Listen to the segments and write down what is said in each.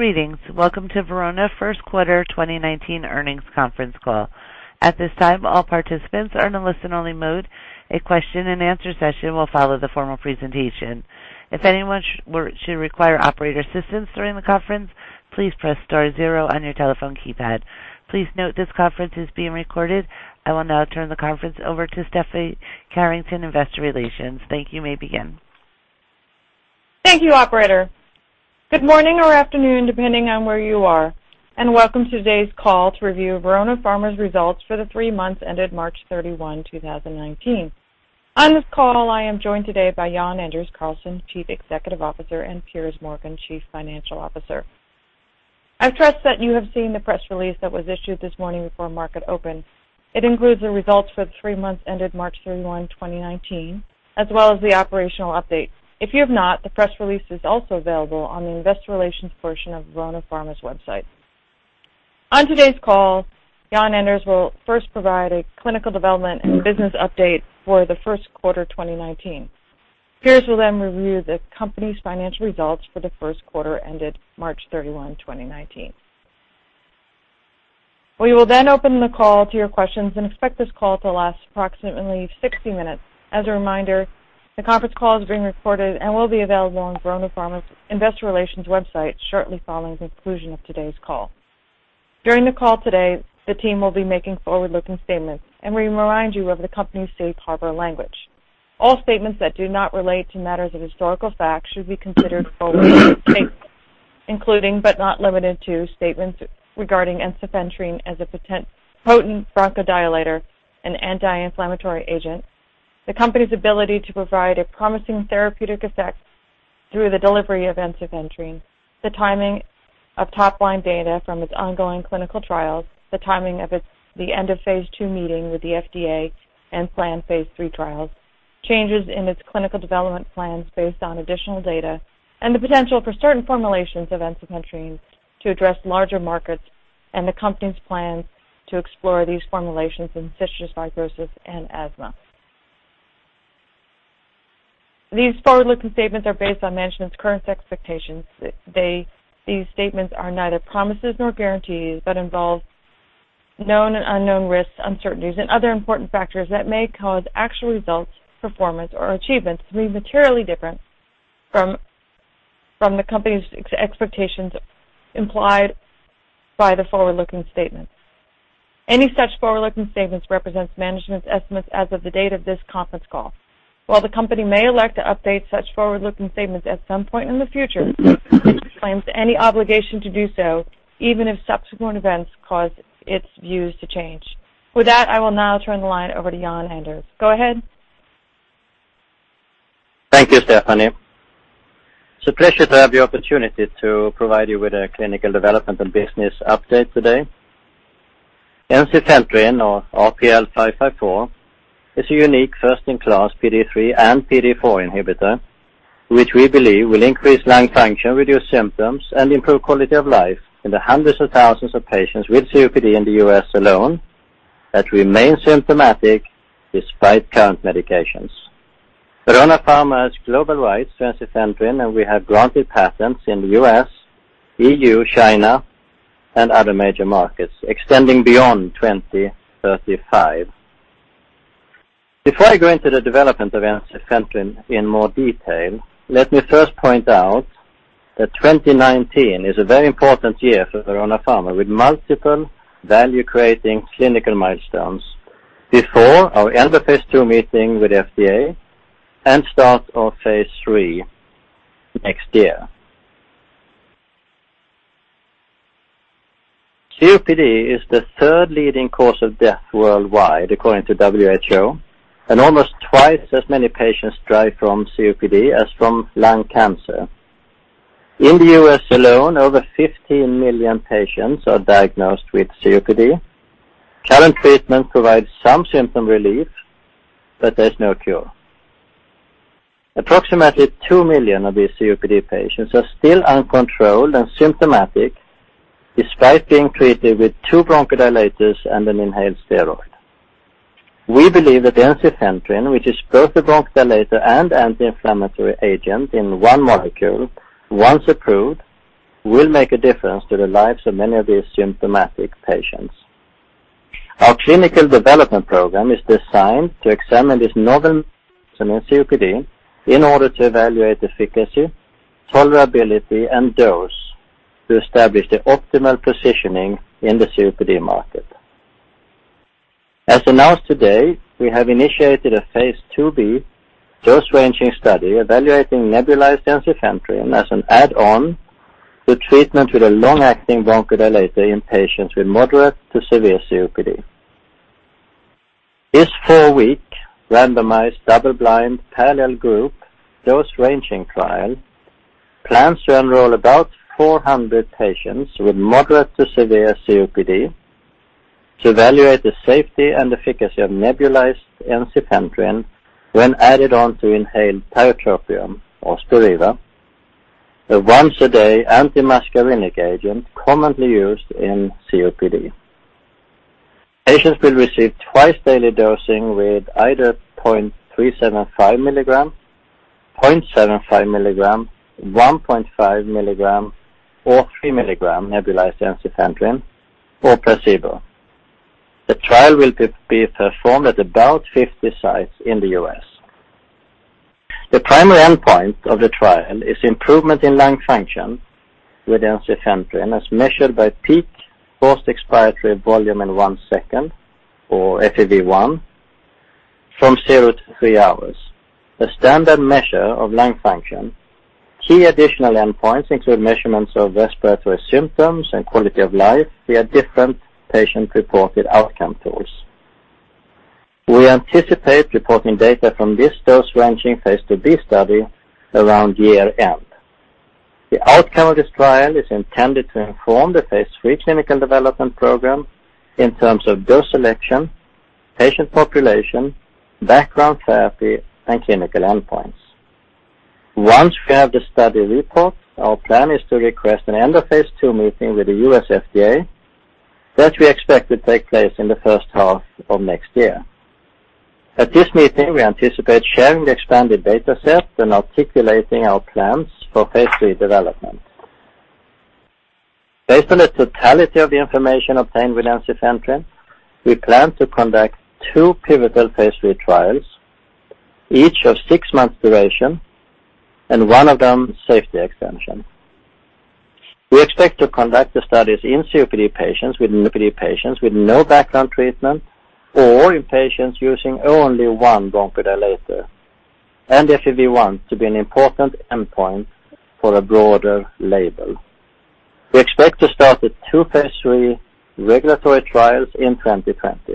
Greetings. Welcome to Verona first quarter 2019 earnings conference call. At this time, all participants are in a listen-only mode. A question-and-answer session will follow the formal presentation. If anyone should require operator assistance during the conference, please press star zero on your telephone keypad. Please note this conference is being recorded. I will now turn the conference over to Stephanie Carrington, Investor Relations. Thank you. You may begin. Thank you, operator. Good morning or afternoon, depending on where you are. Welcome to today's call to review Verona Pharma's results for the three months ended March 31, 2019. On this call, I am joined today by Jan-Anders Karlsson, Chief Executive Officer, and Piers Morgan, Chief Financial Officer. I trust that you have seen the press release that was issued this morning before market open. It includes the results for the three months ended March 31, 2019, as well as the operational update. If you have not, the press release is also available on the Investor Relations portion of Verona Pharma's website. On today's call, Jan-Anders will first provide a clinical development and business update for the first quarter 2019. Piers will then review the company's financial results for the first quarter ended March 31, 2019. We will open the call to your questions and expect this call to last approximately 60 minutes. As a reminder, the conference call is being recorded and will be available on Verona Pharma's Investor Relations website shortly following the conclusion of today's call. During the call today, the team will be making forward-looking statements. We remind you of the company's safe harbor language. All statements that do not relate to matters of historical fact should be considered forward-looking statements, including but not limited to statements regarding ensifentrine as a potent bronchodilator and anti-inflammatory agent, the company's ability to provide a promising therapeutic effect through the delivery of ensifentrine, the timing of top-line data from its ongoing clinical trials, the timing of the end of phase II meeting with the FDA and planned phase III trials, changes in its clinical development plans based on additional data, and the potential for certain formulations of ensifentrine to address larger markets and the company's plans to explore these formulations in cystic fibrosis and asthma. These forward-looking statements are based on management's current expectations. These statements are neither promises nor guarantees but involve known and unknown risks, uncertainties, and other important factors that may cause actual results, performance, or achievements to be materially different from the company's expectations implied by the forward-looking statements. Any such forward-looking statements represents management's estimates as of the date of this conference call. While the company may elect to update such forward-looking statements at some point in the future, it disclaims any obligation to do so, even if subsequent events cause its views to change. With that, I will now turn the line over to Jan-Anders. Go ahead. Thank you, Stephanie. It's a pleasure to have the opportunity to provide you with a clinical development and business update today. Ensifentrine, or RPL554, is a unique first-in-class PDE3 and PDE4 inhibitor, which we believe will increase lung function, reduce symptoms, and improve quality of life in the hundreds of thousands of patients with COPD in the U.S. alone that remain symptomatic despite current medications. Verona Pharma has global rights to ensifentrine, and we have granted patents in the U.S., EU, China, and other major markets extending beyond 2035. Before I go into the development of ensifentrine in more detail, let me first point out that 2019 is a very important year for Verona Pharma, with multiple value-creating clinical milestones before our end-of-phase-II meeting with FDA and start of phase III next year. COPD is the third leading cause of death worldwide according to WHO, and almost twice as many patients die from COPD as from lung cancer. In the U.S. alone, over 15 million patients are diagnosed with COPD. Current treatment provides some symptom relief, but there's no cure. Approximately 2 million of these COPD patients are still uncontrolled and symptomatic despite being treated with two bronchodilators and an inhaled steroid. We believe that ensifentrine, which is both a bronchodilator and anti-inflammatory agent in one molecule, once approved, will make a difference to the lives of many of these symptomatic patients. Our clinical development program is designed to examine this novel medicine in COPD in order to evaluate efficacy, tolerability, and dose to establish the optimal positioning in the COPD market. As announced today, we have initiated a phase IIB dose-ranging study evaluating nebulized ensifentrine as an add-on to treatment with a long-acting bronchodilator in patients with moderate to severe COPD. This four-week randomized double-blind parallel group dose-ranging trial plans to enroll about 400 patients with moderate to severe COPD to evaluate the safety and efficacy of nebulized ensifentrine when added on to inhaled tiotropium or Spiriva, a once-a-day antimuscarinic agent commonly used in COPD. Patients will receive twice-daily dosing with either 0.375 milligram, 0.75 milligram, 1.5 milligram, or 3 milligram nebulized ensifentrine or placebo. The trial will be performed at about 50 sites in the U.S. The primary endpoint of the trial is improvement in lung function with ensifentrine as measured by peak forced expiratory volume in one second, or FEV1, from zero to three hours, the standard measure of lung function. Key additional endpoints include measurements of respiratory symptoms and quality of life via different patient-reported outcome tools. We anticipate reporting data from this dose-ranging phase IIb study around year-end. The outcome of this trial is intended to inform the phase III clinical development program in terms of dose selection, patient population, background therapy, and clinical endpoints. Once we have the study report, our plan is to request an end-of-phase II meeting with the U.S. FDA, that we expect to take place in the first half of next year. At this meeting, we anticipate sharing the expanded data set and articulating our plans for phase III development. Based on the totality of the information obtained with ensifentrine, we plan to conduct two pivotal phase III trials, each of 6 months duration, and one of them safety extension. We expect to conduct the studies in COPD patients with no background treatment or in patients using only one bronchodilator, and FEV1 to be an important endpoint for a broader label. We expect to start the two phase III regulatory trials in 2020.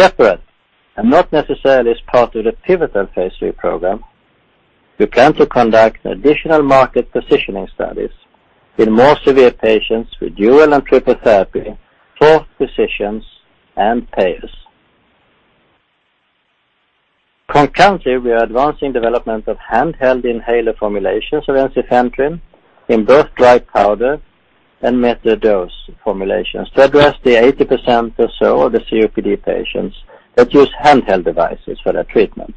Separate, and not necessarily as part of the pivotal phase III program, we plan to conduct additional market positioning studies in more severe patients with dual and triple therapy for physicians and payers. Concurrently, we are advancing development of handheld inhaler formulations of ensifentrine in both dry powder and metered dose formulations to address the 80% or so of the COPD patients that use handheld devices for their treatment.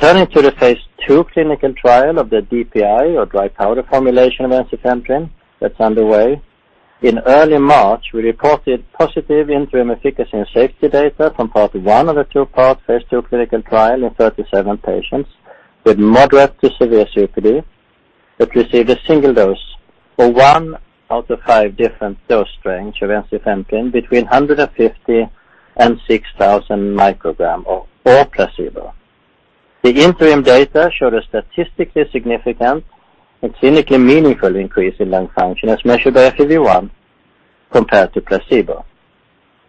Turning to the phase II clinical trial of the DPI or dry powder formulation of ensifentrine that's underway, in early March, we reported positive interim efficacy and safety data from part 1 of the two-part phase II clinical trial in 37 patients with moderate to severe COPD that received a single dose or one out of five different dose range of ensifentrine between 150 and 6,000 microgram, or placebo. The interim data showed a statistically significant and clinically meaningful increase in lung function as measured by FEV1 compared to placebo.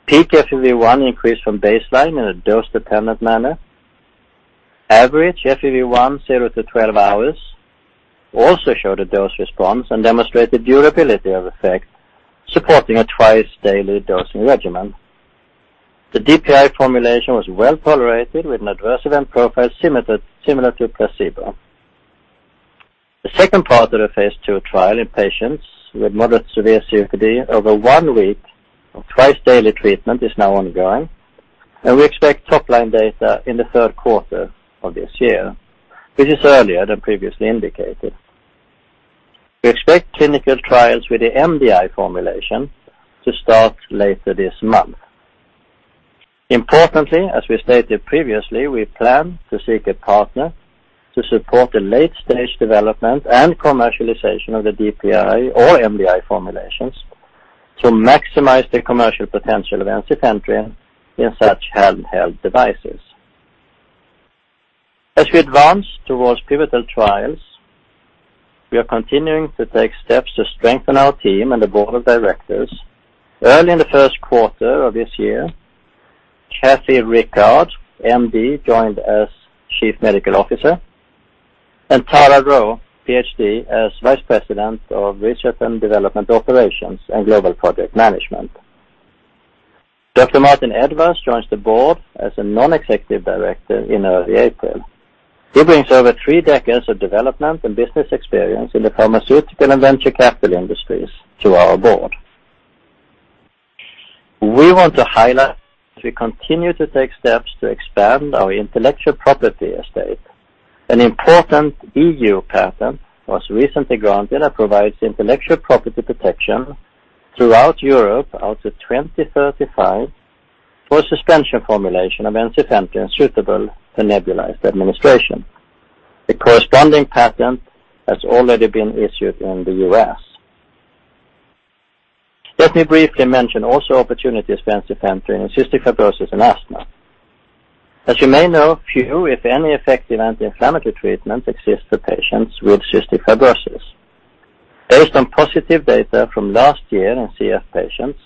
Peak FEV1 increased from baseline in a dose-dependent manner. Average FEV1 zero to 12 hours also showed a dose response and demonstrated durability of effect, supporting a twice-daily dosing regimen. The DPI formulation was well-tolerated with an adverse event profile similar to placebo. The second part of the phase II trial in patients with moderate severe COPD over one week of twice-daily treatment is now ongoing, and we expect top-line data in the third quarter of this year, which is earlier than previously indicated. We expect clinical trials with the MDI formulation to start later this month. Importantly, as we stated previously, we plan to seek a partner to support the late-stage development and commercialization of the DPI or MDI formulations to maximize the commercial potential of ensifentrine in such handheld devices. As we advance towards pivotal trials, we are continuing to take steps to strengthen our team and the board of directors. Early in the first quarter of this year, Kathleen Rickard, M.D., joined as Chief Medical Officer, and Tara Rheault, Ph.D., as Vice President of Research and Development Operations and Global Project Management. Dr. Martin Edwards joins the board as a non-executive director in early April. He brings over three decades of development and business experience in the pharmaceutical and venture capital industries to our board. We want to highlight we continue to take steps to expand our intellectual property estate. An important EU patent was recently granted that provides intellectual property protection throughout Europe out to 2035 for suspension formulation of ensifentrine suitable for nebulized administration. The corresponding patent has already been issued in the U.S. Let me briefly mention also opportunities for ensifentrine in cystic fibrosis and asthma. As you may know, few, if any, effective anti-inflammatory treatments exist for patients with cystic fibrosis. Based on positive data from last year in CF patients,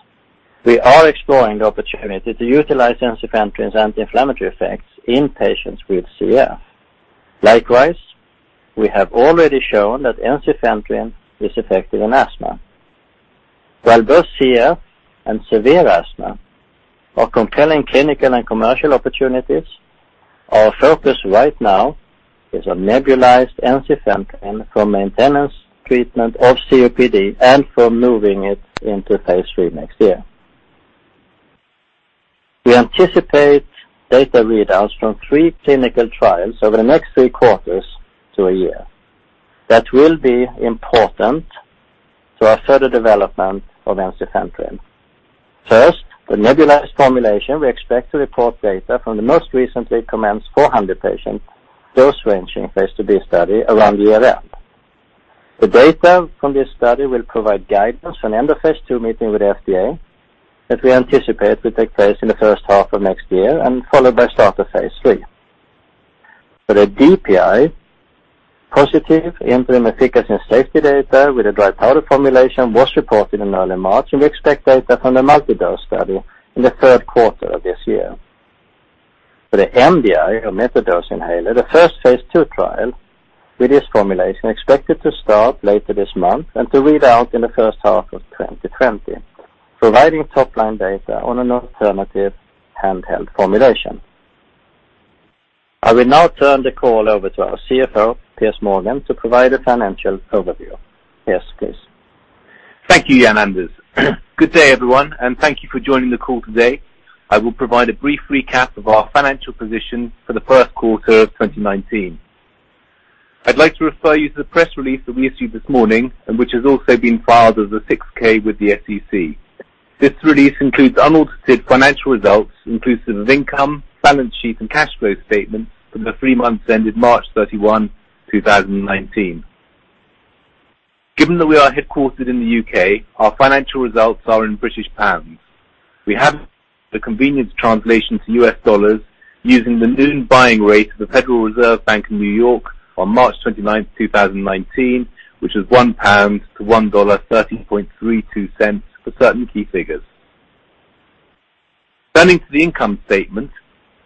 we are exploring the opportunity to utilize ensifentrine's anti-inflammatory effects in patients with CF. Likewise, we have already shown that ensifentrine is effective in asthma. While both CF and severe asthma are compelling clinical and commercial opportunities. Our focus right now is on nebulized ensifentrine for maintenance treatment of COPD and for moving it into phase III next year. We anticipate data readouts from three clinical trials over the next three quarters to a year. That will be important to our further development of ensifentrine. First, the nebulized formulation, we expect to report data from the most recently commenced 400 patient dose ranging phase II-B study around year-end. The data from this study will provide guidance on end of phase II meeting with the FDA that we anticipate will take place in the first half of next year and followed by start of phase III. For the DPI, positive interim efficacy and safety data with the dry powder formulation was reported in early March. We expect data from the multi-dose study in the third quarter of this year. For the MDI, or metered-dose inhaler, the first phase II trial with this formulation expected to start later this month and to read out in the first half of 2020, providing top-line data on an alternative handheld formulation. I will now turn the call over to our CFO, Piers Morgan, to provide a financial overview. Yes, Piers. Thank you, Jan-Anders. Good day, everyone, and thank you for joining the call today. I will provide a brief recap of our financial position for the first quarter of 2019. I'd like to refer you to the press release that we issued this morning which has also been filed as a 6-K with the SEC. This release includes unaudited financial results, inclusive of income, balance sheet, and cash flow statement for the three months ended March 31, 2019. Given that we are headquartered in the U.K., our financial results are in British pounds. We have the convenience translation to US dollars using the noon buying rate of the Federal Reserve Bank of New York on March 29, 2019, which is 1 pound to $1.30.32 for certain key figures. Turning to the income statement,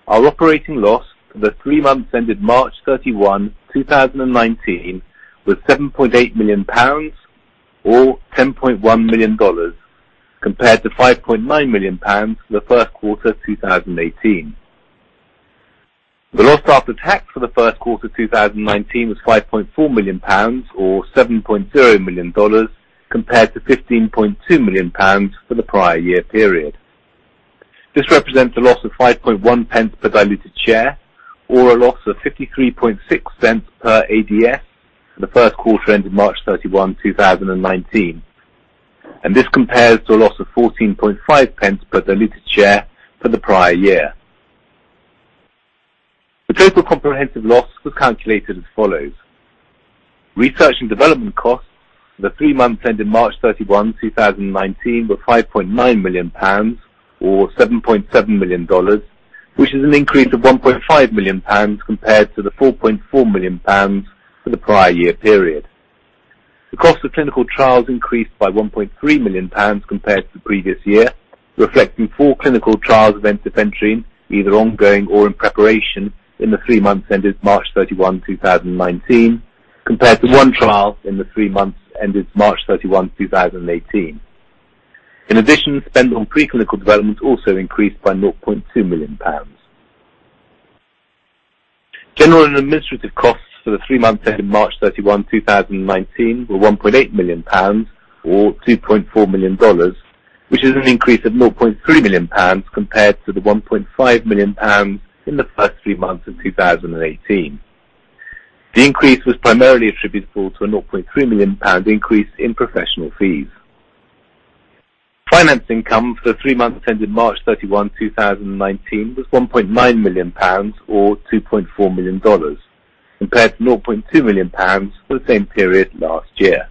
our operating loss for the three months ended March 31, 2019, was 7.8 million pounds or $10.1 million, compared to 5.9 million pounds for the first quarter 2018. The loss after tax for the first quarter 2019 was 5.4 million pounds or $7.0 million, compared to 15.2 million pounds for the prior year period. This represents a loss of 0.051 per diluted share or a loss of $0.536 per ADS for the first quarter ended March 31, 2019. This compares to a loss of 0.145 per diluted share for the prior year. The total comprehensive loss was calculated as follows. Research and development costs for the three months ended March 31, 2019, were GBP 5.9 million or $7.7 million, which is an increase of 1.5 million pounds compared to the 4.4 million pounds for the prior year period. The cost of clinical trials increased by 1.3 million pounds compared to the previous year, reflecting 4 clinical trials of ensifentrine, either ongoing or in preparation in the three months ended March 31, 2019, compared to 1 trial in the three months ended March 31, 2018. In addition, spend on preclinical development also increased by 0.2 million pounds. General and administrative costs for the three months ended March 31, 2019, were 1.8 million pounds or $2.4 million, which is an increase of 0.3 million pounds compared to the 1.5 million pounds in the first three months of 2018. The increase was primarily attributable to a 0.3 million pound increase in professional fees. Finance income for the three months ended March 31, 2019, was 1.9 million pounds or $2.4 million, compared to 0.2 million pounds for the same period last year.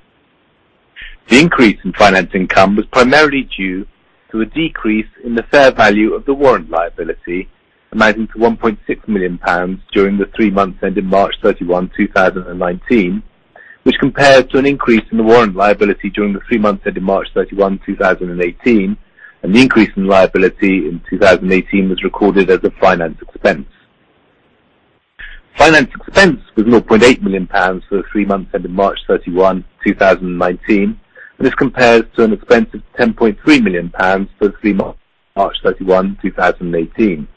The increase in finance income was primarily due to a decrease in the fair value of the warrant liability amounting to 1.6 million pounds during the three months ended March 31, 2019, which compared to an increase in the warrant liability during the three months ended March 31, 2018. The increase in liability in 2018 was recorded as a finance expense. Finance expense was 0.8 million pounds for the three months ended March 31, 2019. This compares to an expense of 10.3 million pounds for the three months ended March 31, 2018.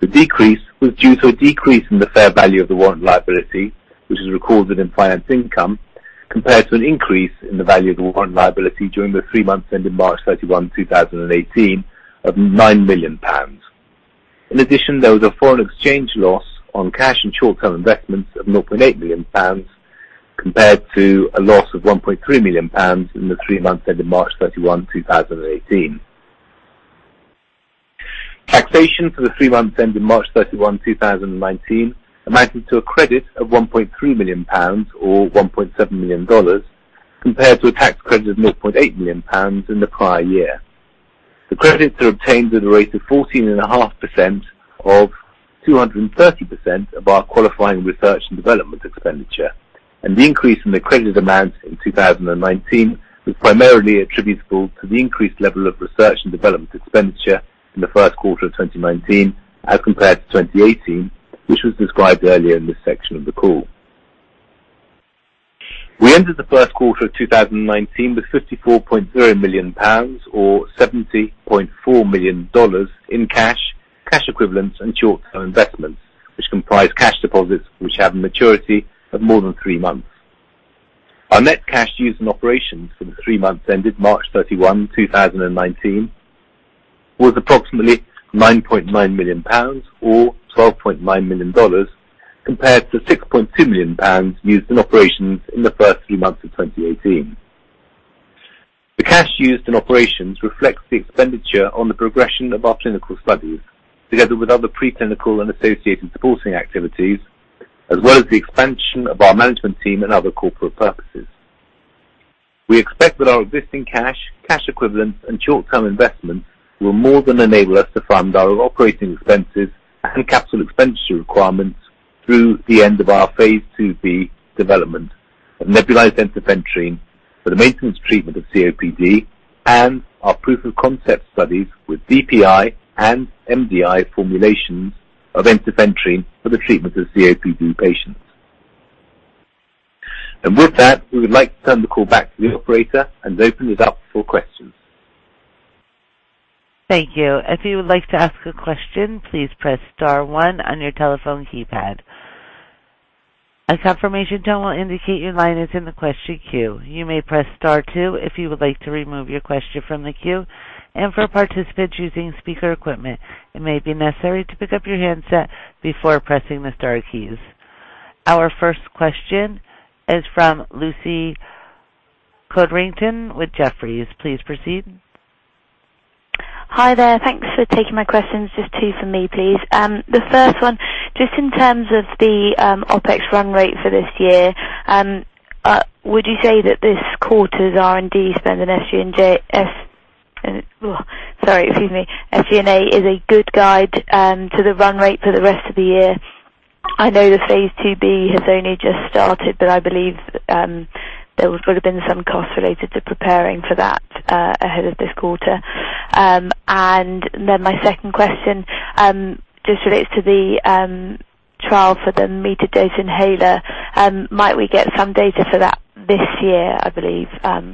The decrease was due to a decrease in the fair value of the warrant liability, which is recorded in finance income, compared to an increase in the value of the warrant liability during the three months ended March 31, 2018, of 9 million pounds. In addition, there was a foreign exchange loss on cash and short-term investments of 0.8 million pounds compared to a loss of 1.3 million pounds in the three months ended March 31, 2018. Taxation for the three months ended March 31, 2019, amounted to a credit of 1.3 million pounds or $1.7 million compared to a tax credit of 0.8 million pounds in the prior year. The credits are obtained at a rate of 14.5% of 230% of our qualifying R&D expenditure. The increase in the credit amount in 2019 was primarily attributable to the increased level of R&D expenditure in the first quarter of 2019 as compared to 2018, which was described earlier in this section of the call. We entered the first quarter of 2019 with £54.0 million or $70.4 million in cash equivalents, and short-term investments, which comprise cash deposits which have a maturity of more than three months. Our net cash used in operations for the three months ended March 31, 2019, was approximately £9.9 million or $12.9 million, compared to £6.2 million used in operations in the first three months of 2018. The cash used in operations reflects the expenditure on the progression of our clinical studies, together with other preclinical and associated supporting activities, as well as the expansion of our management team and other corporate purposes. We expect that our existing cash equivalents, and short-term investments will more than enable us to fund our OpEx and capital expenditure requirements through the end of our Phase IIb development of nebulized ensifentrine for the maintenance treatment of COPD and our proof-of-concept studies with DPI and MDI formulations of ensifentrine for the treatment of COPD patients. With that, we would like to turn the call back to the operator and open it up for questions. Thank you. If you would like to ask a question, please press star one on your telephone keypad. A confirmation tone will indicate your line is in the question queue. You may press star two if you would like to remove your question from the queue. For participants using speaker equipment, it may be necessary to pick up your handset before pressing the star keys. Our first question is from Lucy Codrington with Jefferies. Please proceed. Hi there. Thanks for taking my questions. Just two from me, please. The first one, just in terms of the OpEx run rate for this year, would you say that this quarter's R&D spend and SG&A is a good guide to the run rate for the rest of the year? I know the Phase IIb has only just started, but I believe there would've been some costs related to preparing for that ahead of this quarter. My second question just relates to the trial for the metered-dose inhaler. Might we get some data for that this year, I believe?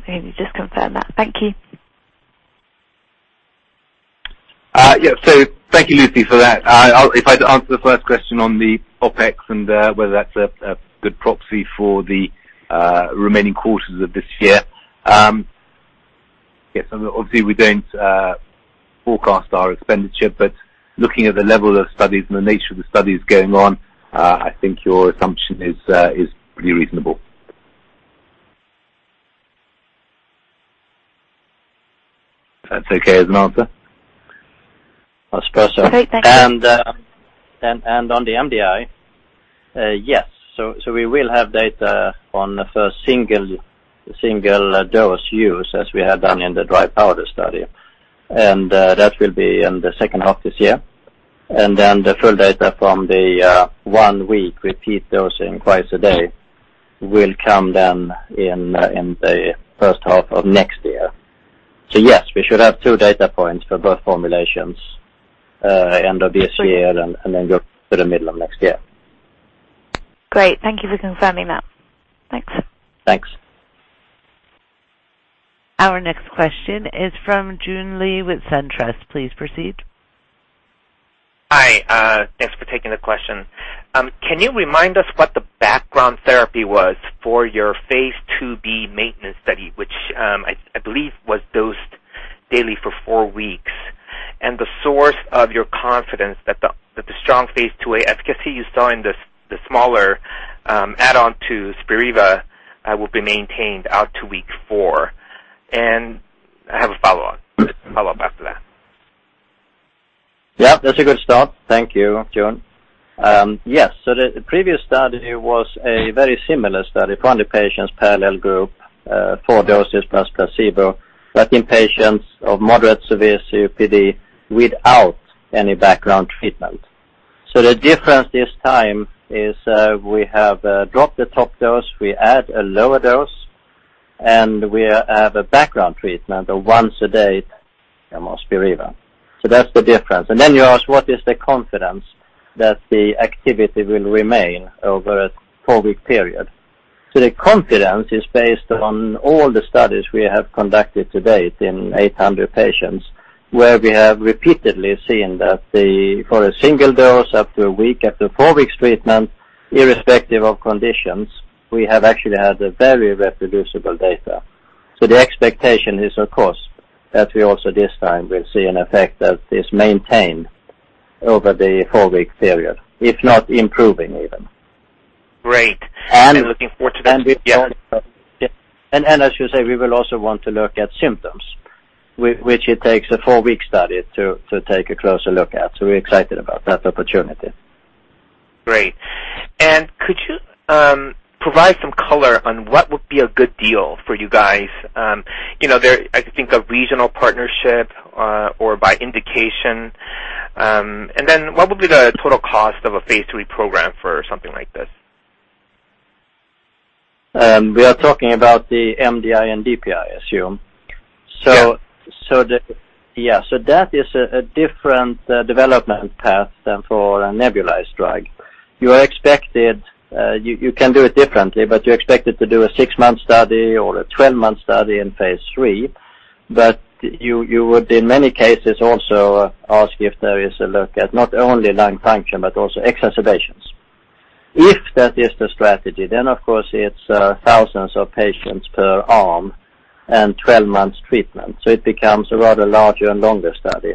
Maybe just confirm that. Thank you. Thank you, Lucy, for that. If I answer the first question on the OpEx and whether that's a good proxy for the remaining quarters of this year. Yes, obviously, we don't forecast our expenditure, but looking at the level of studies and the nature of the studies going on, I think your assumption is pretty reasonable. That's okay as an answer? I suppose so. Great. Thank you. On the MDI, yes. We will have data on the first single-dose use as we have done in the dry powder study. That will be in the second half this year. Then the full data from the one-week repeat dosing twice a day will come then in the first half of next year. Yes, we should have two data points for both formulations, end of this year and then go to the middle of next year. Great. Thank you for confirming that. Thanks. Thanks. Our next question is from Joon Lee with SunTrust. Please proceed. Hi. Thanks for taking the question. Can you remind us what the background therapy was for your phase IIb maintenance study, which, I believe, was dosed daily for 4 weeks, and the source of your confidence that the strong phase IIa efficacy you saw in the smaller add-on to Spiriva will be maintained out to week 4? I have a follow-up after that. Yeah, that's a good start. Thank you, Joon. Yes. The previous study was a very similar study, 20 patients, parallel group, four doses plus placebo, but in patients of moderate severe COPD without any background treatment. The difference this time is we have dropped the top dose, we add a lower dose, and we have a background treatment of once-a-day Spiriva. That's the difference. You ask what is the confidence that the activity will remain over a 4-week period. The confidence is based on all the studies we have conducted to date in 800 patients, where we have repeatedly seen that for a single dose, after a week, after 4 weeks treatment, irrespective of conditions, we have actually had a very reproducible data. The expectation is, of course, that we also, this time, will see an effect that is maintained over the 4-week period, if not improving even. Great. Looking forward to that. Yeah. As you say, we will also want to look at symptoms, which it takes a four-week study to take a closer look at. We're excited about that opportunity. Great. Could you provide some color on what would be a good deal for you guys? I think a regional partnership or by indication. What would be the total cost of a phase III program for something like this? We are talking about the MDI and DPI, I assume. That is a different development path than for a nebulized drug. You can do it differently, but you're expected to do a six-month study or a 12-month study in phase III. You would, in many cases, also ask if there is a look at not only lung function, but also exacerbations. If that is the strategy, of course it's thousands of patients per arm and 12 months treatment. It becomes a rather larger and longer study.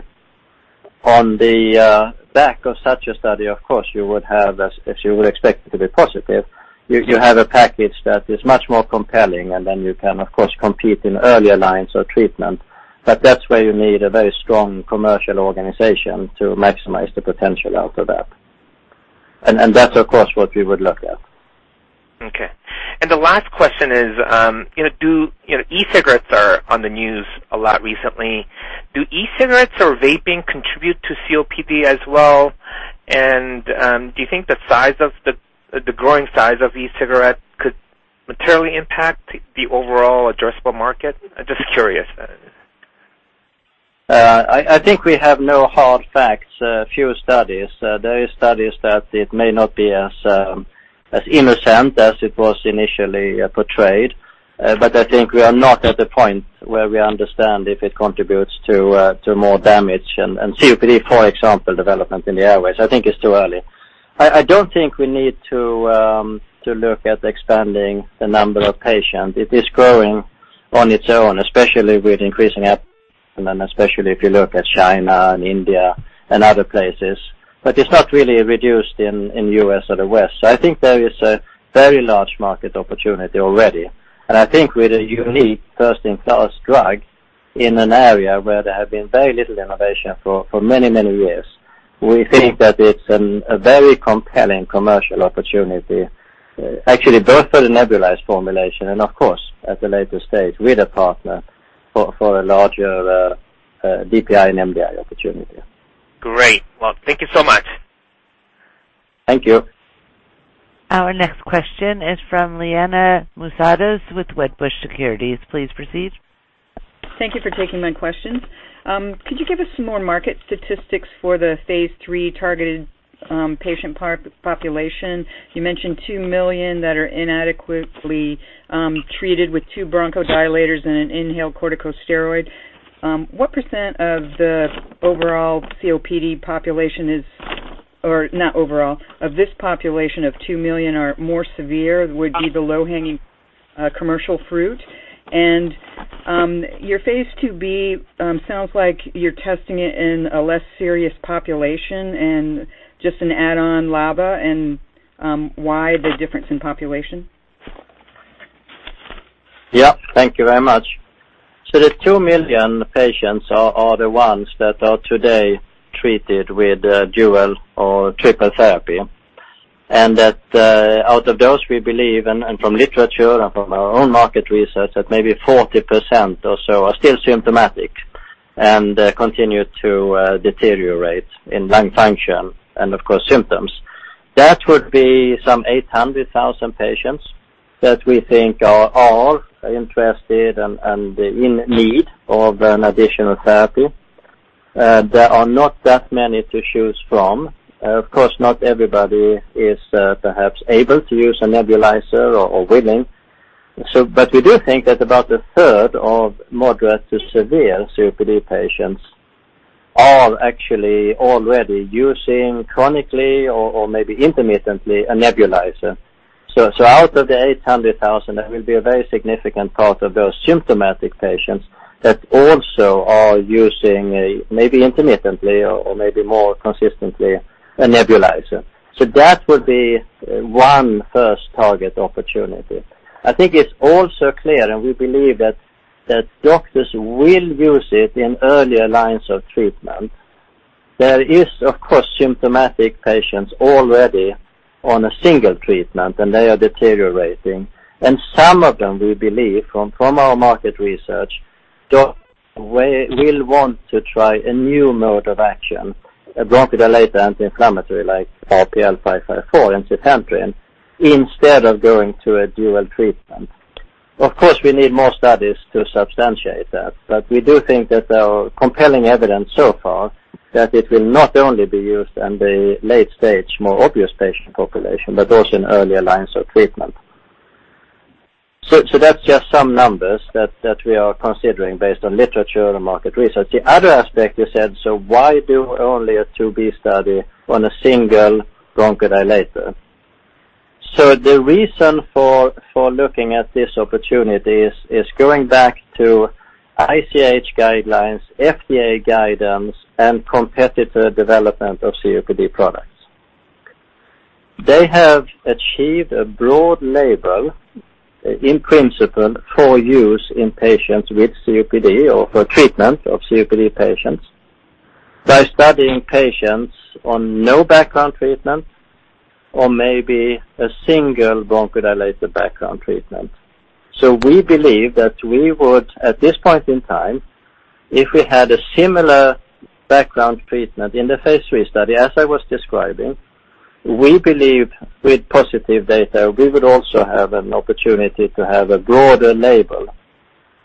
On the back of such a study, of course, if you would expect it to be positive, you have a package that is much more compelling, and then you can, of course, compete in earlier lines of treatment. That's where you need a very strong commercial organization to maximize the potential out of that. That's, of course, what we would look at. Okay. The last question is, e-cigarettes are on the news a lot recently. Do e-cigarettes or vaping contribute to COPD as well? Do you think the growing size of e-cigarettes could materially impact the overall addressable market? Just curious. I think we have no hard facts, a few studies. There are studies that it may not be as innocent as it was initially portrayed. I think we are not at the point where we understand if it contributes to more damage and COPD, for example, development in the airways. I think it's too early. I don't think we need to look at expanding the number of patients. It is growing on its own, especially with increasing, especially if you look at China and India and other places. It's not really reduced in U.S. or the West. I think there is a very large market opportunity already. I think with a unique first-in-class drug in an area where there have been very little innovation for many, many years, we think that it's a very compelling commercial opportunity, actually both for the nebulized formulation and of course, at a later stage, with a partner for a larger DPI and MDI opportunity. Great. Well, thank you so much. Thank you. Our next question is from Liana Moussatos with Wedbush Securities. Please proceed. Thank you for taking my questions. Could you give us some more market statistics for the phase III targeted patient population? You mentioned 2 million that are inadequately treated with two bronchodilators and an inhaled corticosteroid. What % of the overall COPD population is, or not overall, of this population of 2 million are more severe, would be the low-hanging commercial fruit? Your phase II-B sounds like you're testing it in a less serious population and just an add-on LABA and why the difference in population? Yeah. Thank you very much. The 2 million patients are the ones that are today treated with dual or triple therapy. And that out of those, we believe, and from literature and from our own market research, that maybe 40% or so are still symptomatic and continue to deteriorate in lung function and of course symptoms. That would be some 800,000 patients that we think are interested and in need of an additional therapy. There are not that many to choose from. Of course, not everybody is perhaps able to use a nebulizer or willing. But we do think that about a third of moderate to severe COPD patients are actually already using chronically or maybe intermittently, a nebulizer. Out of the 800,000, that will be a very significant part of those symptomatic patients that also are using, maybe intermittently or maybe more consistently, a nebulizer. That would be one first target opportunity. I think it's also clear, and we believe that doctors will use it in earlier lines of treatment. There is, of course, symptomatic patients already on a single treatment, and they are deteriorating. And some of them, we believe from our market research, will want to try a new mode of action, a bronchodilator anti-inflammatory like RPL554, ensifentrine, instead of going to a dual treatment. Of course, we need more studies to substantiate that. But we do think that there are compelling evidence so far that it will not only be used in the late stage, more obvious patient population, but also in earlier lines of treatment. That's just some numbers that we are considering based on literature and market research. The other aspect you said, why do only a phase IIb study on a single bronchodilator? The reason for looking at this opportunity is going back to ICH guidelines, FDA guidance, and competitive development of COPD products. They have achieved a broad label in principle for use in patients with COPD or for treatment of COPD patients by studying patients on no background treatment or maybe a single bronchodilator background treatment. We believe that we would, at this point in time, if we had a similar background treatment in the phase III study, as I was describing. We believe with positive data, we would also have an opportunity to have a broader label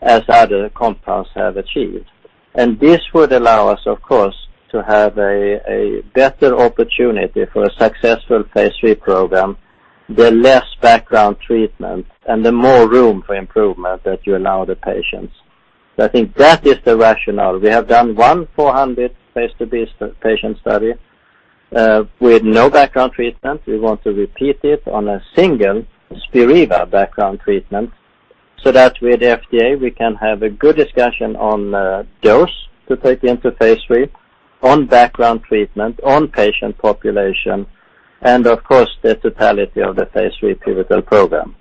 as other compounds have achieved. And this would allow us, of course, to have a better opportunity for a successful phase III program, the less background treatment, and the more room for improvement that you allow the patients. I think that is the rationale. We have done one 400 phase IIb patient study with no background treatment. We want to repeat it on a single Spiriva background treatment, that with FDA, we can have a good discussion on dose to take into phase III, on background treatment, on patient population, and of course, the totality of the phase III pivotal program.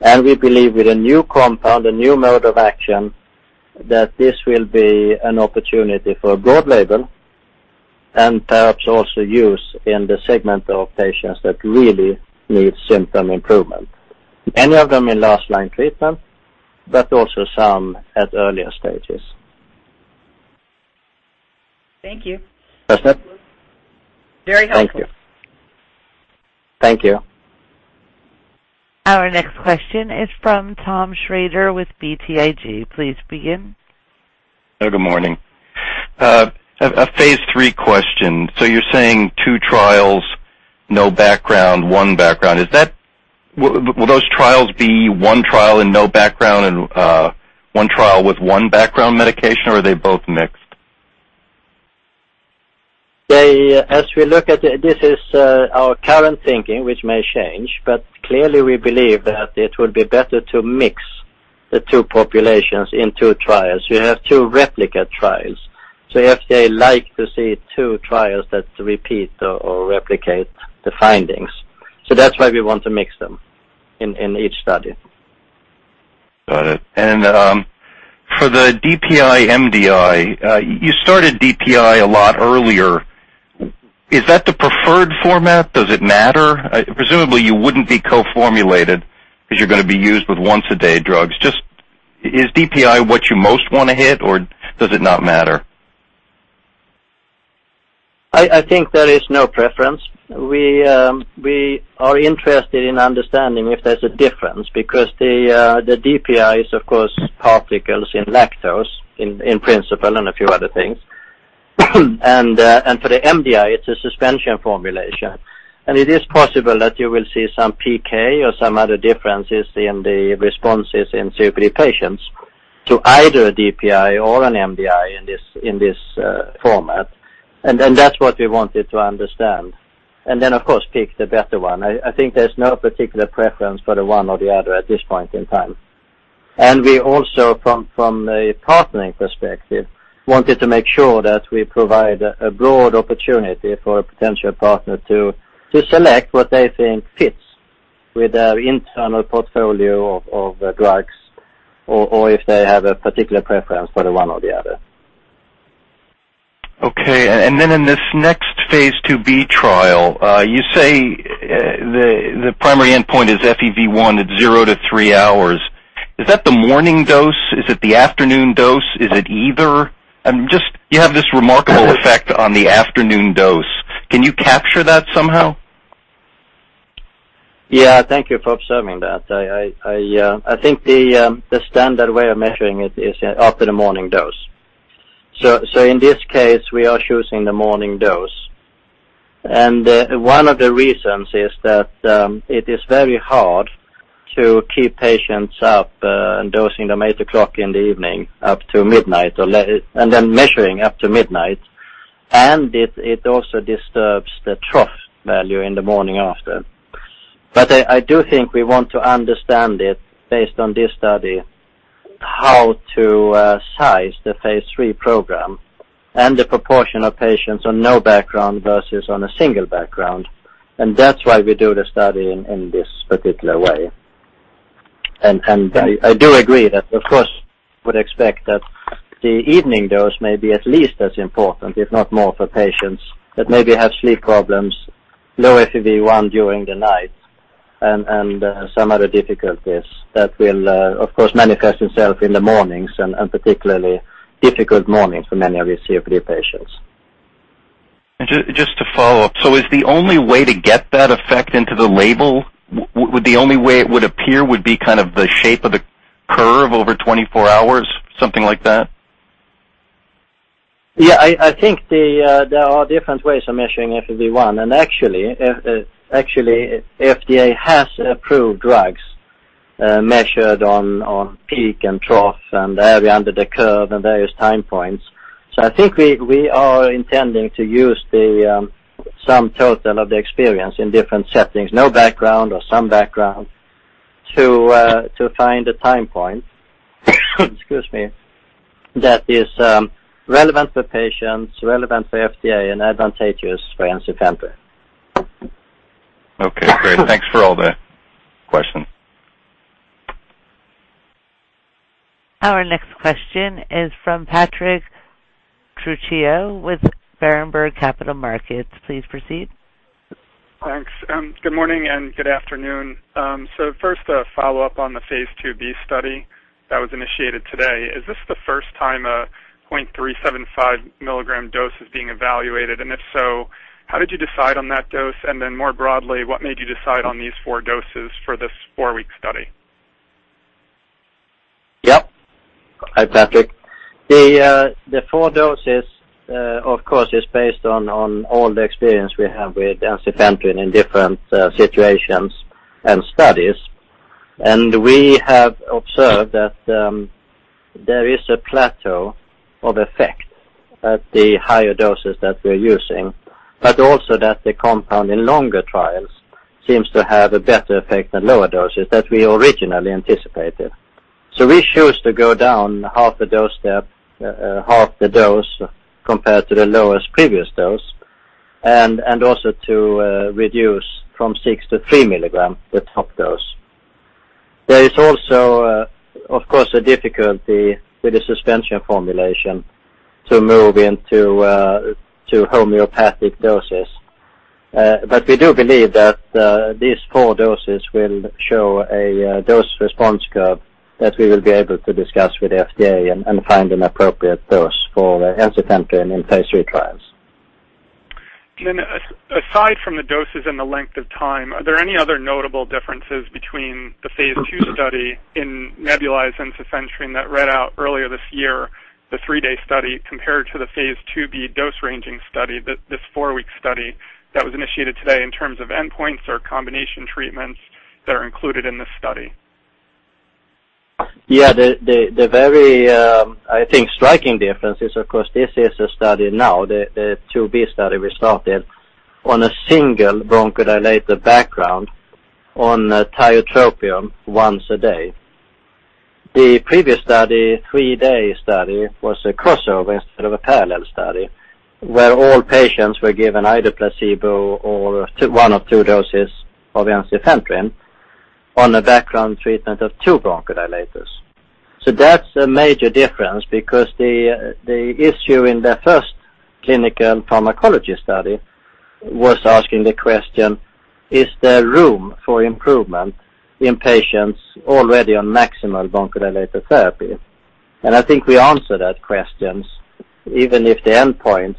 And we believe with a new compound, a new mode of action, that this will be an opportunity for a broad label and perhaps also use in the segment of patients that really need symptom improvement. Many of them in last line treatment, but also some at earlier stages. Thank you. That's it? Very helpful. Thank you. Our next question is from Tom Schrader with BTIG. Please begin. Good morning. A phase III question. You're saying two trials, no background, one background. Will those trials be one trial and no background and one trial with one background medication, or are they both mixed? This is our current thinking, which may change, but clearly we believe that it would be better to mix the two populations in two trials. You have two replica trials. FDA like to see two trials that repeat or replicate the findings. That's why we want to mix them in each study. Got it. For the DPI MDI, you started DPI a lot earlier. Is that the preferred format? Does it matter? Presumably, you wouldn't be co-formulated because you're going to be used with once-a-day drugs. Just is DPI what you most want to hit, or does it not matter? I think there is no preference. We are interested in understanding if there's a difference because the DPI is, of course, particles in lactose in principle and a few other things. For the MDI, it's a suspension formulation. It is possible that you will see some PK or some other differences in the responses in COPD patients to either a DPI or an MDI in this format. That's what we wanted to understand. Then, of course, pick the better one. I think there's no particular preference for the one or the other at this point in time. We also, from a partnering perspective, wanted to make sure that we provide a broad opportunity for a potential partner to select what they think fits with their internal portfolio of drugs or if they have a particular preference for the one or the other. Okay. Then in this next phase II-B trial, you say the primary endpoint is FEV1 at 0-3 hours. Is that the morning dose? Is it the afternoon dose? Is it either? You have this remarkable effect on the afternoon dose. Can you capture that somehow? Thank you for observing that. I think the standard way of measuring it is after the morning dose. In this case, we are choosing the morning dose. One of the reasons is that it is very hard to keep patients up and dosing them at 8:00 in the evening up to midnight, then measuring up to midnight. It also disturbs the trough value in the morning after. I do think we want to understand it based on this study, how to size the phase III program and the proportion of patients on no background versus on a single background. That's why we do the study in this particular way. I do agree that, of course, would expect that the evening dose may be at least as important, if not more for patients that maybe have sleep problems, low FEV1 during the night, some other difficulties that will, of course, manifest itself in the mornings and particularly difficult mornings for many of your COPD patients. Just to follow up, is the only way to get that effect into the label, the only way it would appear would be kind of the shape of the curve over 24 hours, something like that? Yeah, I think there are different ways of measuring FEV1. Actually, FDA has approved drugs measured on peak and trough and the area under the curve and various time points. I think we are intending to use the sum total of the experience in different settings, no background or some background to find a time point, excuse me, that is relevant for patients, relevant for FDA, and advantageous for ensifentrine. Okay, great. Thanks for all the questions. Our next question is from Patrick Trucchio with Berenberg Capital Markets. Please proceed. Thanks. Good morning and good afternoon. First, a follow-up on the phase II-B study that was initiated today. Is this the first time a 0.375 milligram dose is being evaluated? If so, how did you decide on that dose? Then more broadly, what made you decide on these four doses for this four-week study? Yep. Hi, Patrick. The four doses, of course, is based on all the experience we have with ensifentrine in different situations and studies. We have observed that there is a plateau of effect at the higher doses that we're using, but also that the compound in longer trials seems to have a better effect than lower doses than we originally anticipated. We choose to go down half the dose step, half the dose compared to the lowest previous dose, and also to reduce from 6 to 3 milligram the top dose. There is also, of course, a difficulty with the suspension formulation to move into homeopathic doses. We do believe that these four doses will show a dose response curve that we will be able to discuss with FDA and find an appropriate dose for ensifentrine in phase III trials. Then aside from the doses and the length of time, are there any other notable differences between the phase II study in nebulized ensifentrine that read out earlier this year, the three-day study, compared to the phase II-B dose-ranging study, this four-week study that was initiated today in terms of endpoints or combination treatments that are included in this study? Yeah. The very, I think, striking difference is, of course, this is a study now, the II-B study we started on a single bronchodilator background on tiotropium once a day. The previous study, three-day study, was a crossover instead of a parallel study, where all patients were given either placebo or one of two doses of ensifentrine on a background treatment of two bronchodilators. That's a major difference because the issue in the first clinical pharmacology study was asking the question, "Is there room for improvement in patients already on maximal bronchodilator therapy?" I think we answered that questions, even if the endpoints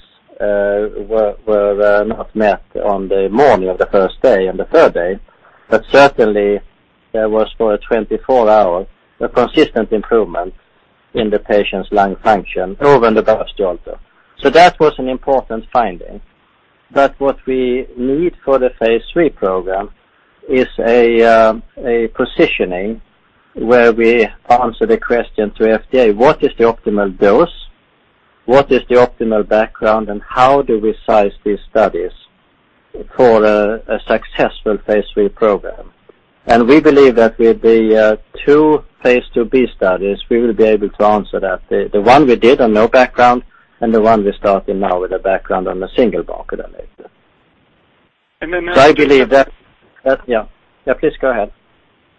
were not met on the morning of the first day and the third day. Certainly, there was for 24 hours, a consistent improvement in the patient's lung function. That was an important finding. What we need for the phase III program is a positioning where we answer the question to FDA, what is the optimal dose? What is the optimal background, and how do we size these studies for a successful phase III program? We believe that with the two phase IIb studies, we will be able to answer that. The one we did on no background and the one we're starting now with a background on a single bronchodilator. And then- I believe that Yeah. Please go ahead.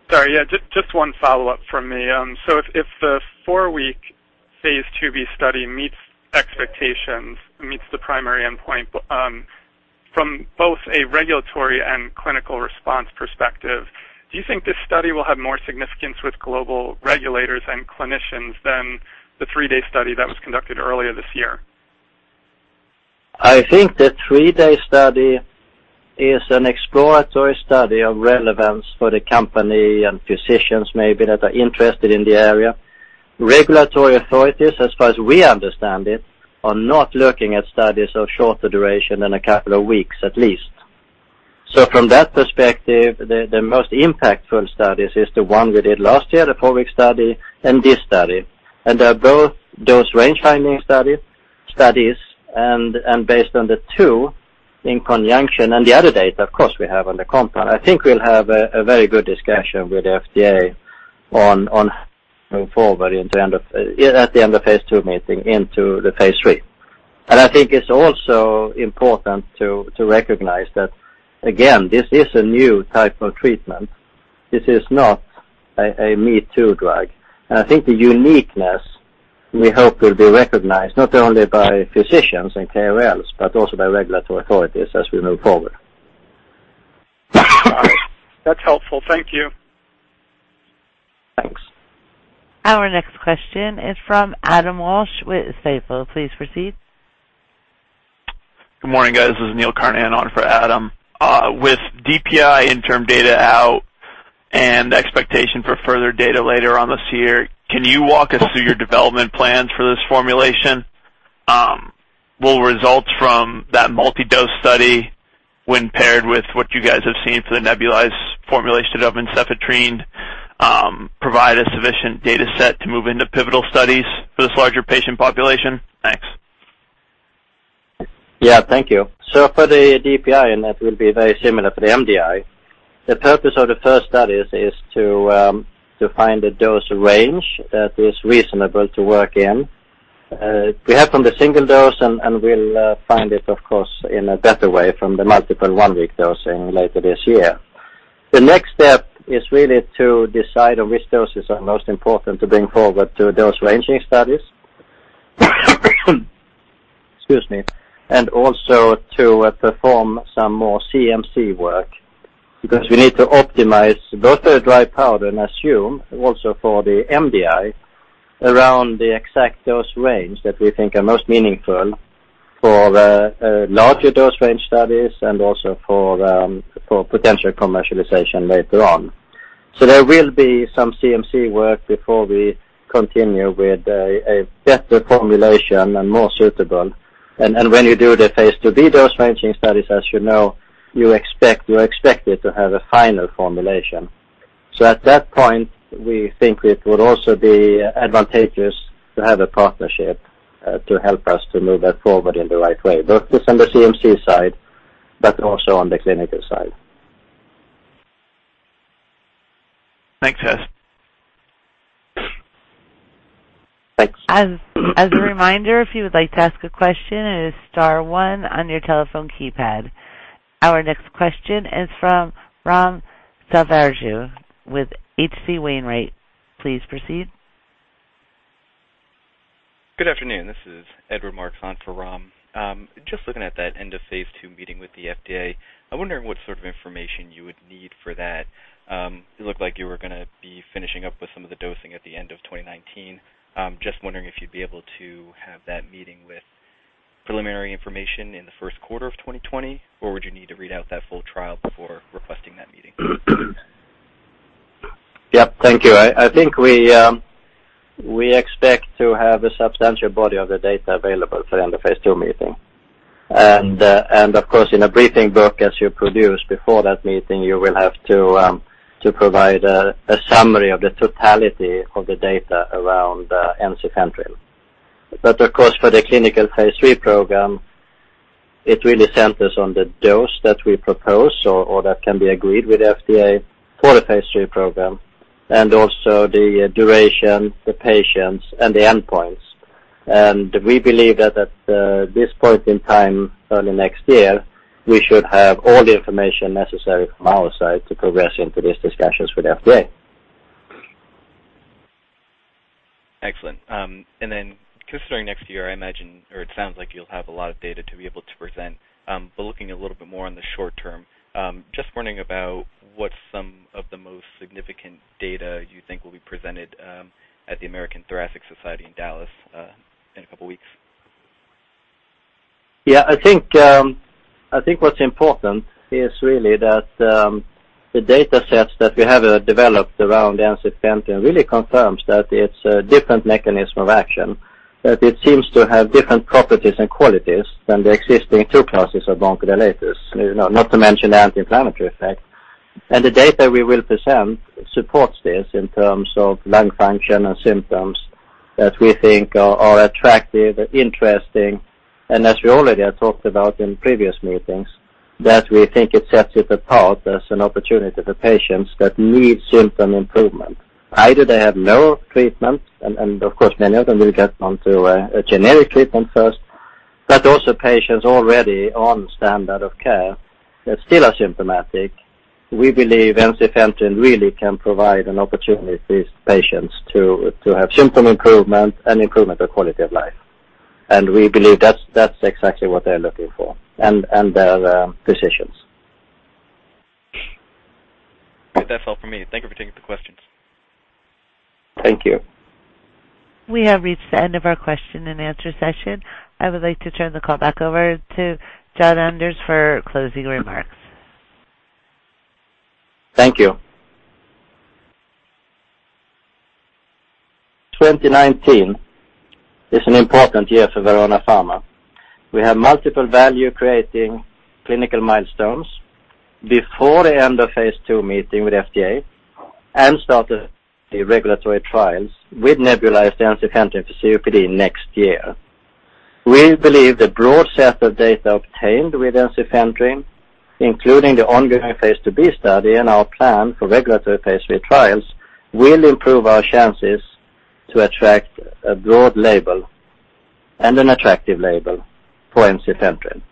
Sorry. Yeah, just one follow-up from me. If the four-week phase IIb study meets expectations, meets the primary endpoint, from both a regulatory and clinical response perspective, do you think this study will have more significance with global regulators and clinicians than the three-day study that was conducted earlier this year? I think the three-day study is an exploratory study of relevance for the company and physicians maybe that are interested in the area. Regulatory authorities, as far as we understand it, are not looking at studies of shorter duration than a couple of weeks at least. From that perspective, the most impactful studies is the one we did last year, the four-week study, and this study. They're both dose range-finding studies. Based on the two in conjunction, and the other data, of course, we have on the compound, I think we'll have a very good discussion with the FDA on moving forward at the end of phase II meeting into the phase III. I think it's also important to recognize that, again, this is a new type of treatment. This is not a me-too drug. I think the uniqueness we hope will be recognized not only by physicians and KOLs but also by regulatory authorities as we move forward. That's helpful. Thank you. Thanks. Our next question is from Adam Walsh with Stifel. Please proceed. Good morning, guys. This is Neil Carnahan on for Adam Walsh. With DPI interim data out and expectation for further data later on this year, can you walk us through your development plans for this formulation? Will results from that multi-dose study when paired with what you guys have seen for the nebulized formulation of ensifentrine, provide a sufficient data set to move into pivotal studies for this larger patient population? Thanks. Thank you. For the DPI, and that will be very similar for the MDI, the purpose of the first studies is to find the dose range that is reasonable to work in. We have from the single dose, and we'll find it, of course, in a better way from the multiple one-week dosing later this year. The next step is really to decide on which doses are most important to bring forward to dose ranging studies. Excuse me. Also to perform some more CMC work because we need to optimize both the dry powder and assume also for the MDI around the exact dose range that we think are most meaningful for the larger dose range studies and also for potential commercialization later on. There will be some CMC work before we continue with a better formulation and more suitable. When you do the phase IIb dose ranging studies, as you know, you are expected to have a final formulation. At that point, we think it would also be advantageous to have a partnership, to help us to move that forward in the right way, both on the CMC side, but also on the clinical side. Thanks, Jan-Anders. As a reminder, if you would like to ask a question, it is star one on your telephone keypad. Our next question is from Ram Selvaraju with H.C. Wainwright. Please proceed. Good afternoon. This is Edward Marks on for Ram. Just looking at that end of phase II meeting with the FDA, I'm wondering what sort of information you would need for that. It looked like you were going to be finishing up with some of the dosing at the end of 2019. Just wondering if you'd be able to have that meeting with preliminary information in the first quarter of 2020, or would you need to read out that full trial before requesting that meeting? Thank you. I think we expect to have a substantial body of the data available for the end of phase II meeting. Of course, in a briefing book as you produce before that meeting, you will have to provide a summary of the totality of the data around ensifentrine. Of course, for the clinical phase III program, it really centers on the dose that we propose or that can be agreed with FDA for the phase III program, and also the duration, the patients, and the endpoints. We believe that at this point in time, early next year, we should have all the information necessary from our side to progress into these discussions with FDA. Excellent. Considering next year, I imagine, or it sounds like you'll have a lot of data to be able to present. Looking a little bit more on the short term, just wondering about what some of the most significant data you think will be presented, at the American Thoracic Society in Dallas in a couple of weeks. Yeah, I think what's important is really that the datasets that we have developed around ensifentrine really confirms that it's a different mechanism of action, that it seems to have different properties and qualities than the existing two classes of bronchodilators, not to mention the anti-inflammatory effect. The data we will present supports this in terms of lung function and symptoms that we think are attractive and interesting, as we already have talked about in previous meetings, that we think it sets it apart as an opportunity for patients that need symptom improvement. Either they have no treatment, and of course, many of them will get onto a generic treatment first, but also patients already on standard of care that still are symptomatic. We believe ensifentrine really can provide an opportunity for these patients to have symptom improvement and improvement of quality of life. We believe that's exactly what they're looking for and their physicians. That's all from me. Thank you for taking the questions. Thank you. We have reached the end of our question and answer session. I would like to turn the call back over to Jan-Anders for closing remarks. Thank you. 2019 is an important year for Verona Pharma. We have multiple value-creating clinical milestones before the end of phase II meeting with FDA and start the regulatory trials with nebulized ensifentrine for COPD next year. We believe the broad set of data obtained with ensifentrine, including the ongoing phase IIb study and our plan for regulatory phase III trials, will improve our chances to attract a broad label and an attractive label for ensifentrine.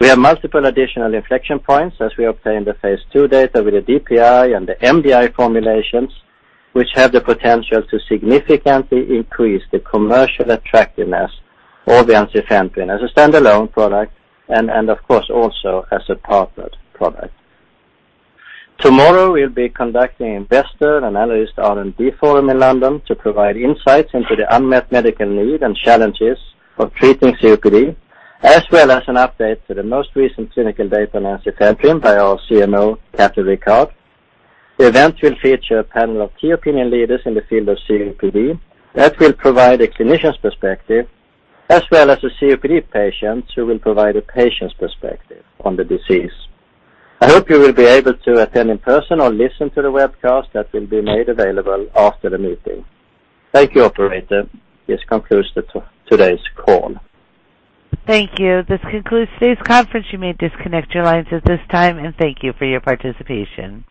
We have multiple additional inflection points as we obtain the phase II data with the DPI and the MDI formulations, which have the potential to significantly increase the commercial attractiveness of the ensifentrine as a standalone product and of course, also as a partnered product. Tomorrow, we'll be conducting investor and analyst R&D forum in London to provide insights into the unmet medical need and challenges for treating COPD, as well as an update to the most recent clinical data on ensifentrine by our CMO, Kathleen Rickard. The event will feature a panel of key opinion leaders in the field of COPD that will provide a clinician's perspective, as well as a COPD patient who will provide a patient's perspective on the disease. I hope you will be able to attend in person or listen to the webcast that will be made available after the meeting. Thank you, operator. This concludes today's call. Thank you. This concludes today's conference. You may disconnect your lines at this time, thank you for your participation.